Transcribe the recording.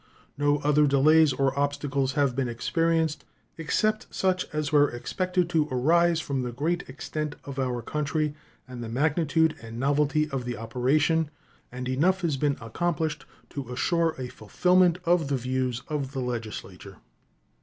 No other delays or obstacles have been experienced except such as were expected to arise from the great extent of our country and the magnitude and novelty of the operation, and enough has been accomplished to assure a fulfillment of the views of the Legislature.